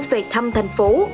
về thăm thành phố